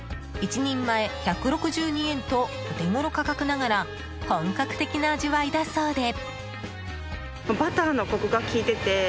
１人前１６２円とお手ごろ価格ながら本格的な味わいだそうで。